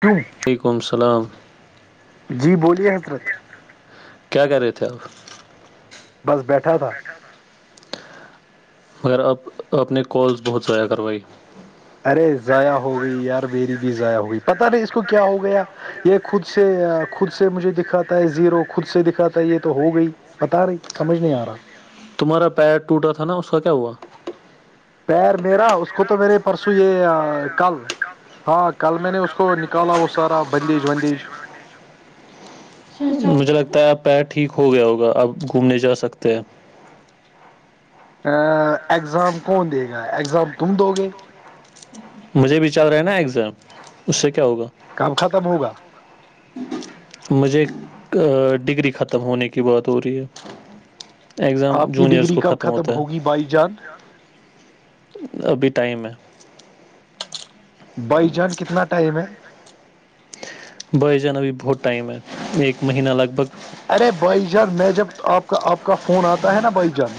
کیوں وعلیکم السلام جی بولیے حضرت کیا کر رہے تھے آپ بس بیٹھ کٹھا تھا مگر آپ آپ نے کالز بہت ضائع کروائی ارے ضائع ہو گئی یار بییری بھی ضائع ہو پتا نہیں اس کو کیا ہو گیا یہ خود سے خود سے مجھے دکھاتا ہے زیرو خود سے دکھاتا ہے یہ تو ہو گئی پتا نہیں سمجھ نہیں آ رہا تمہارا پیر ٹوٹا تھا نا اس کا کیا ہوا پیر میرا اس کو تو میرے پرسوں یہ کل ہاں کل میں نے اس کو نکالا وہ سارا بندیج وندیج مجھے لگتا ہے آپ پیر ٹھیک ہو گیا ہوگا آپ گھومنے جا سکتے ہیں ا ایگزام کون دے گا ایگزام تم دو گے مجھے بھی چل رہا ہے نا ایکزم اس سے کیا ہوگا کب ختم ہوگا مجھے ڈگری ختم ہونے کی بات ہو رہی ہے اگزام آپ کی جونیئرس ڈگری کو کب ختم ہوتا ہے ہوگی بائی جان ٹائمہ بھائی جان کتنا ٹائم ہے بھائی جانا بھی بہت ٹائم ہے ایک مہینہ لگ بھگ ارے بھائی جان میں جب تو آپ کا آپ کا فون آتا ہے نا بھائی جان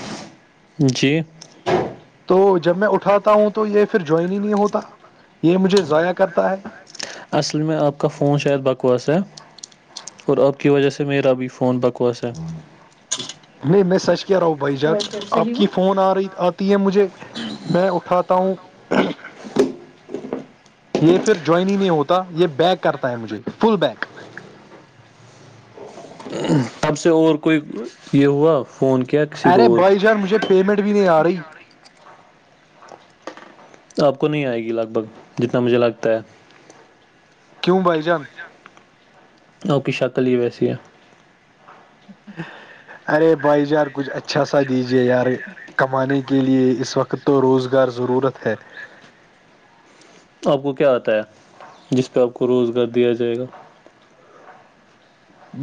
جی تو جب میں اٹھاتا ہوں تو یہ پھر جوائن ہی نہیں ہوتا یہ مجھے ضائع کرتا ہے اصل میں آپ کا فون شاید بکواس ہے اور آپ کی وجہ سے میرا بھی فون بکواس ہے نہیں میں سچ کہہ رہا ہوں بھائی جان آپ ہے کی فون آ رہی آتی ہے مجھے میں اٹھاتا ہوں [unintelligible] یہ پھر جوائن ہی نہیں ہوتا یہ بیک کرتا ہے مجھے فل بیک تب سے اور کوئی یہ ہوا فون کیا کسی کو ارے اور کو؟ بائی جان مجھے پیمنٹ بھی نہیں آ رہی آپ کو نہیں آئے گی لگ بھگ جتنا مجھے لگتا ہے کیوں بھائی جان اوک شکل ہی ویسی ہے ارے بھائی جار کچھ اچھا سا دیجیے یار کمانے کی کے لیے اس وقت تو روزگار ضرورت ہے آپ کو کیا آتا ہے جس پہ آپ کو روزگار دیا جائے گا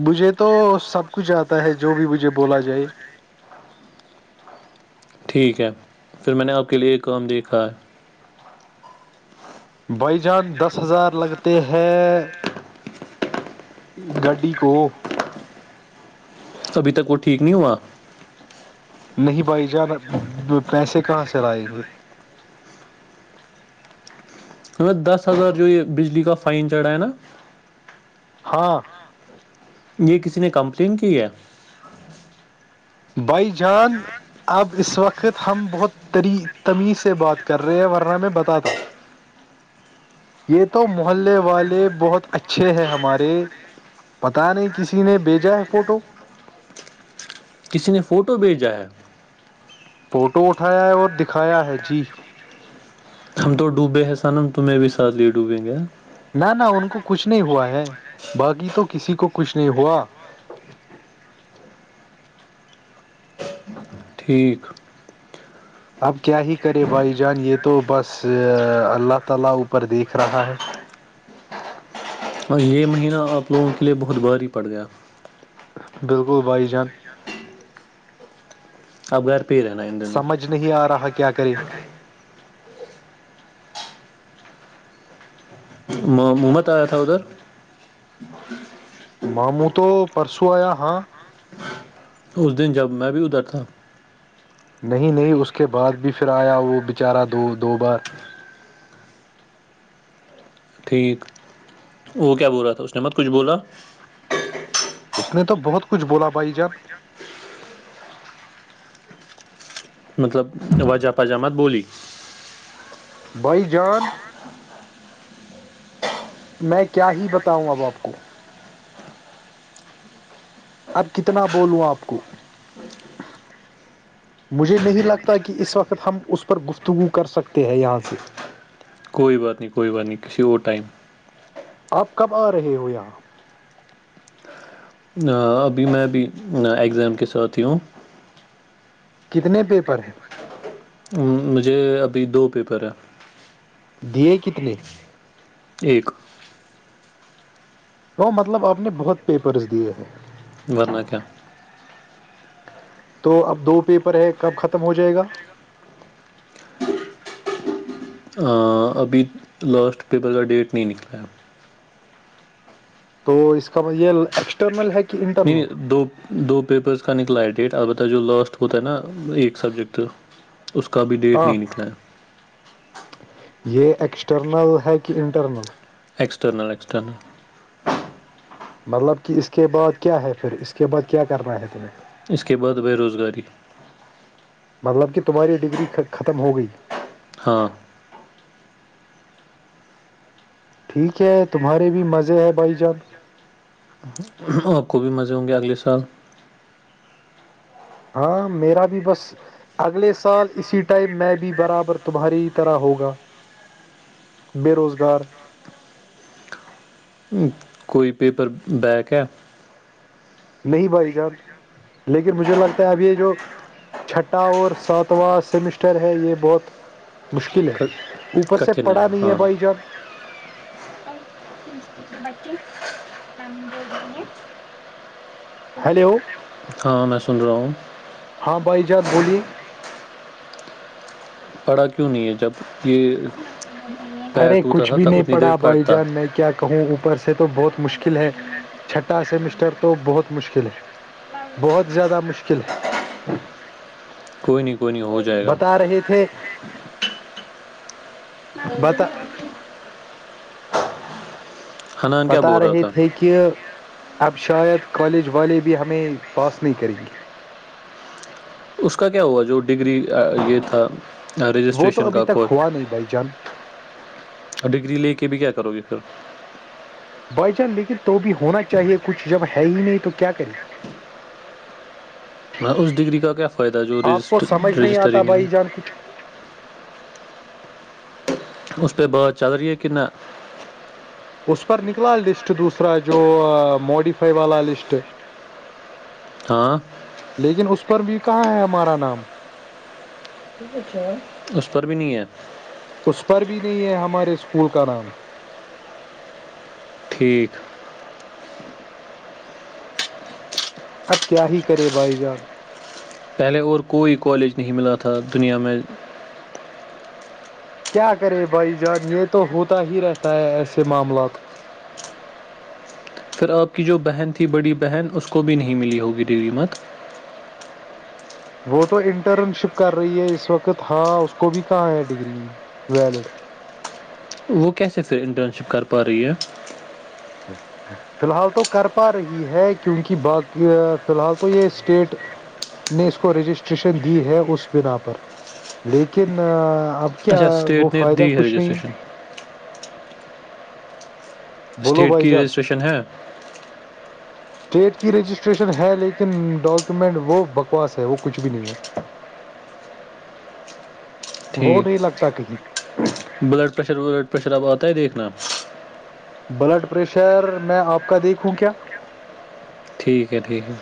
مجھے تو سب کچھ آتا ہے جو بھی مجھے بولا جائے ٹھیک ہے پھر میں نے آپ کے لیے ایک کام دیکھا ہے بھائی جان دس ہزار لگتے ہے گاڈی کو ابھی تک وہ ٹھیک نہیں ہوا نہیں بھائی جان پیسے کہاں سے لیں گے ہمیں دس ہزار جو یہ بجلی کا فائن چڑھا ہے نا ہاں یہ کسی نے کمپلین کی ہے بھائی جان اب اس وقت ہم بہت تری تمیز سے بات کر رہے ورنہ میں بتاا یہ تو محلے والے بہت اچھے ہیں ہمارے پت نہیں کسی نے بھیجا ہے فوٹو ک نے فوٹو بھیجا ہے فوٹو اٹھایا ہے اور دکھایا ہے جی ہم تو ڈوبے ہیں سانم تمہیں بھی ساتھ لیے ڈوبیں گے نہ نہ ان کو کچھ نہیں ہوا ہے باقی تو کسی کو کچھ نہیں ہوا ٹھیک اب کیا ہی کرے بھائی جان یہ تو بس اللہ تعالی اوپر دیکھ رہا ہے اور یہ مہینہ آپ لوگوں کے لیے بہت بھاری پڑ گیا بالکل بائی جان اب گھر پہ ہی رہنا ان دنوں سمجھ نہیں آ رہا کہ کیا کرے م محمت آیا تھا ادھر ماموں تو پرسوں آیا ہاں اس دن جب میں بھی ادر تھا نہیں نہیں اس کے بعد بھی پھر آیا وہ بچارہ دو بار ٹھیک وہ کیا بول رہا تھا اس نے مت کچھ بولا اس نے تو بہت کچھ بولا بھائی جان مطلب وجہ پجامت بولی بائی جان میں کیا ہی بتاؤوںں اب آپ کو اب کتنا بولوں آپ کو مجھے نہیں لگتا کہ اس وقت ہم اس پر گفتگو کر سکتے ہیں یہاں سے کوئی بات نہیں کوئی بات نہیں کسی اور ٹائم آپ کب آ رہے ہو یہاں ابھی میں ابھی اگزام کے ساتھ ہی ہوں کتنے پیپر ہیں مجھے ابھی دو پیپر ہیں دیے کتنے ایک وہ مطلب آپ نے بہت پیپرس دیے ہیں ورنہ کیا تو اب دو پیپر ہے کب ختم ہو جائے گا ابھی لاسٹ پیپر کا ڈیٹ نہیں نکلا ہے تو اس کاط یہ ایکسٹرنل ہے کہ انٹرنل نہیں دو دو پیپرس کا نکل ف لائٹ ڈیٹ ا البتہ جو لاسٹ ہوتا نا ایک سبجیکٹ اس کا بھیھی ڈیٹ ہاں نہیں نکلا ہے یہ ایکسٹرنل ہے کہ انٹرنل اکسٹرنل اکسٹرنل مطلب کہ اس کے بعد کیا ہے پھر اس کے بعد کیا کرنا ہے تمہیں اس کے بعد بے روزگاری مطلب کہ تمہاری ڈگری ختم ہو گئی ہاں ٹھیک ہے تمہارے بھی مزے ہے بھائی جان آپ کو بھی مزے ہوں گے اگلے سال ہاں میرا بھی بس اگلے سال اسی ٹائم میں بھی برابر تمہاری ہی طرح ہوگا بے روزگار کوئی پیپر بیک ہے نہیں بھائی جان لیکن مجھے لگتا ہے اب یہ جو چھٹا اور ساتواں سیمسٹر ہے یہ بہت مشکل ہے اوپر سے کٹھن پڑا نہیں ہے ہاں بھائی جان ن بچ میم بول رہی ہیں ہیلو ہاں میں سن رہا ہوں ہاں بھائی جان بولیے پڑھا کیوں نہیں ہے جب یہ پیر ارے ٹوٹا کچھ تھا بھی تب نہیں اتنی دیر پڑا بھائی پڑھتا جان میں کیا کہوں اوپر سے بہت مشکل ہے چھٹا سیمسٹر تو بہت مشکل ہے بہت زیادہ مشکل ہے کوئی نہیں کوئی نہیں ہو جائے گا بتا رہے تھے بڈ بتا رکھ حنان کیا پتاہ بول رہا رہی تھا تھ ہے کہ اب شاید کالج والے بھی ہمیں پاس نہیں کریں گے اس کا کیا ہوا جو ڈگری یہ تھا وہ تو رجسٹریشن ابھی کا تک ہوا نہیں بھائی جان اور ڈگری لے کے بھی کیا کرو گے پھر بھائی چان لیکن تو بھی ہونا چاہیے کچھ جب ہے ہی نہیں تو کیا کری ہ اس ڈگری کا کیا فائدہ ہے جو کو رجسٹر سمجھ رجسٹر ہی آتا نہیں بھائی جان ہے کچھ [inaudible] [unintelligible] اس پہ بعد چل رہی ہے کہ نہ اس پر نکلا لسٹ دوسرا جو موڈیفائی والا لسٹ ہاں لیکن اس پر بھی کہاں ہے ہمارا نام اس پر بھی نہیں ہے اس پر بھی نہیں ہے ہمارے اسکول کا نام ٹھیک اب کیا ہی کرے بھائی جان پہلے اور کوئی کالج نہیں ملا تھا دنیا میں کیا کرے بھائی جان یہ تو ہوتا ہی رہتا ہے ایسے معاملات [inaudible] [unintelligible] وہ تو انٹرن شپ کر رہی ہے اس وقت ہاں اس کو بھی کہاں ہے ڈگری ویلڈ وہ کیسے پھر انٹرن شپ کر پا رہی ہے فی الحال تو کر پا رہی ہے کیونکہ باقی فی الحال تو یہ اسٹیٹ نے اس کو رجسٹریشن دی ہے اس بنا پر لیکن اب کیا اچھا وہ اسٹیٹ نے فائدہ دی کچھ نہیں ہے رجسٹریشن بولو اسٹیٹ کی رجسٹریشن ہے اسٹیٹ کی رجسٹریشن ہے لیکن ڈاکومنٹ وہ بکواس ہے وہ کچھ بھی نہیں ہے وہ نہیں ٹھیک لگتا کہیں بلڈ پریشر ولڈ پریشر اب آتا ہے دیکھنا بلڈ پریشر میں آپ کا دیکھوں کیا ٹھیک ہے ٹھیک ہے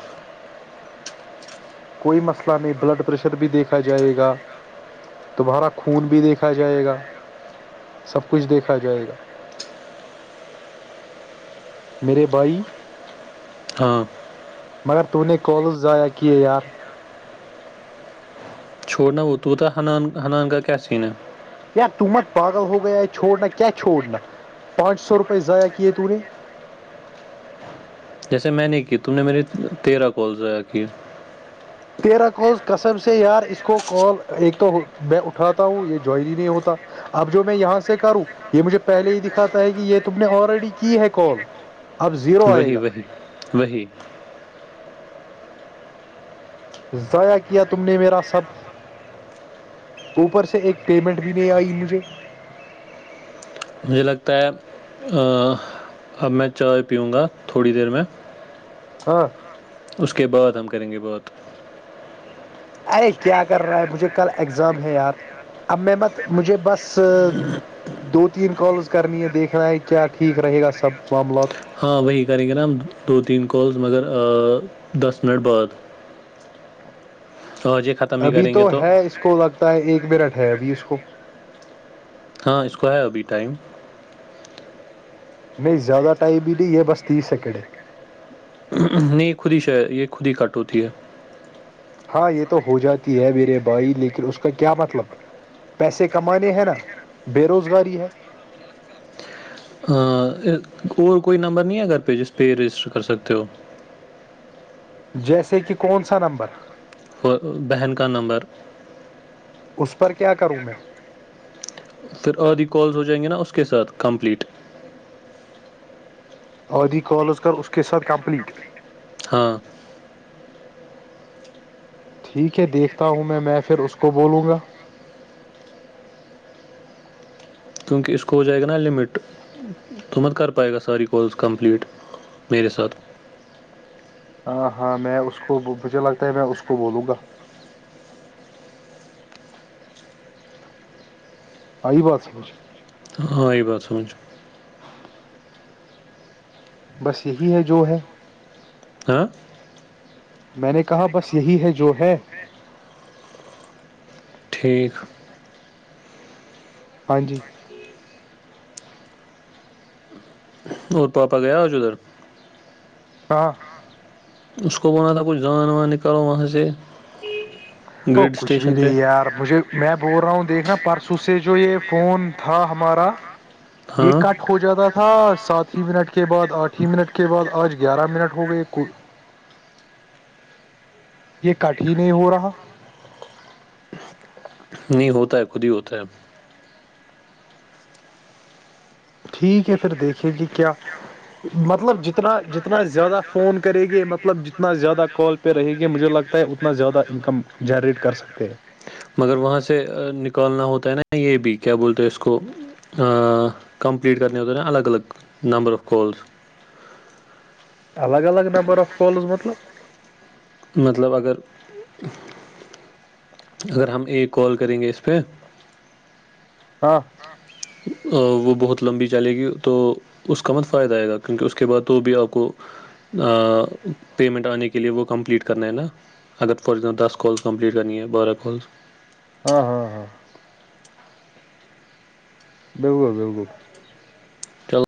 کوئی مسئلہ نہیں بلڈ پریشر بھی دیکھا جائے گا تمہارا خون بھی دیکھا جائے گا سب کچھ دیکھا جائے گا میرے بھائی ہاں مگر ت نے کالز ضائع کیے یار چھوڑنا وہ تو پتا ہنان ہنان کا کی سین ہے کیا ت مت پاگل ہوگیا ہے چھوڑنا کیا چھوڑنا پانچ سو روپئے ضائع کیے تو نے جیسے میں نے کی تم نے میری تیرہ کال ضائع کی تیرا کوز کصب سے یار اس کو کال ایک تو میں اٹھاتا ہوں یہ جوائن ہی نہیں ہوتا اب جو میں یہاں سے کروں یہ مجھے پہلے ہی دکھاتا ہے کہ یہ تم نے آلریڈی کی ہے کال اب زیرو آئے وہی گا وہی وہی ضائع کیا تم نے میرا سب اوپر سے ایک پیمنٹ بھی نہیں آئی مجھے مجھے لگتا ہے اب میں چائے پیوں گا تھوڑی دیر میں ہاں اس کے بعد ہم کریں گے بہت اے کیا کر رہا ہے مجھے کل اگزام ہے یار اب میں مت مجھے بس دو تین کالز کرنی ہے دیکھنا ہے کیا ٹھیک رہے گا سب معاملات ہاں وہی کریں گے نا ہم دو تین کالس مگر دس منٹ بعد آج یہ ختم ہی ابھی کریں تو گے ہے اس کو لگتا ہے ایک بیرٹھ ہے ابھی اس کو ہاں اس کو ہے ابھی ٹائم نہیں زیادہ ٹائم بھی نہیں یہ بس تیس سیکنڈ ہے نہیں خود ہی شار یہ خود ہی کٹ ہوتی ہے ہاں یہ تو ہو جاتی ہے میرے بھائی لیکن اس کا کیا مطلب پیسے کمانے ہے نا بے روزگاری ہے اور کوئی نمبر نہیں ہے گھر پہ جس پہ رجسٹر کر سکتے ہو جیسے کہ کون سا نمبر بہن کا نمبر اس پر کیا کروں میں پھر آدھی کالز ہو جائیں گے نا اس کے ساتھ کمپلیٹ آدھی کالز کر اس کے ساتھ کمپلیٹ ہاں ٹھیک ہے دیکھتا ہوں میں میں پھر اس کو بولوں گا کیونکہ اس کو ہو جائے گا نا لمٹ تو مت کر پائے گا سر یہ کورس کمپلٹ میرے ساتھ ہاں ہاں میں اس کو مجھے لگتا ہے میں اس کو بولوں گا آئی بات سمجھ ہاں یہ بات سوچ بس یہی ہے جو ہے ہاں میں نے کہا بس یہی ہے جو ہے ٹھیک ہاں جی اور پاپا گیا آ ج ادھر ہاں اس کو بوولنا تھا کچھ جان وان نکالو وہاں سے ا گریڈ کچھ بھی اسٹیشن پہ نہیں یار مجھے میں بول رہا ہوں دیکھنا پرسوں سے جو یہ فون تھا ہمارا یہ ہاں کٹ ہو جاتا تھا تھا سات ہی منٹ کے بعد آٹھ ہی منٹ کے بعد آج گیارہ منٹ ہو گئے کو یہ کاٹ کی نہیں ہو رہا نہیں ہوتا ہے خود ہی ہوتا ہے ٹھیک ہے پھر دیکھے گی کیا مطلب جتنا جتنا زیادہ فون کرے گی مطلب جتنا زیادہ کال پہ رہے گی مجھے لگتا ہے اتنا زیادہ انکم جنریٹ کر سکتے ہیں مگر وہاں سے نکالنا ہوتا ہے نا یہ بھی کیا بولتے ہیں اس کو کمپلیٹ کرنے ہوتا ہے نا الگ الگ نمبر آف کالز الگ الگ نمبر آف کالز مطلب مطلب اگر اگر ہم ایک کال کریں گے اس پہ ہاں وہ بہت لمبی چلے گی تو اس کا مت فائدہ آئے گا کیونکہ اس کے بعد تو بھی آپ کو پیمنٹ آنے کے لیے وہ کمپلیٹ کرنا ہے نا اگر فار ایگزامپل دس کالس کمپلیٹ کرنی ہے بارہ کالس ہاں ہاں ہاں بو بگو چلو